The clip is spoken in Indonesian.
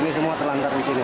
ini semua terlantar di sini